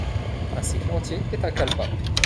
Un cycle entier est un kalpa.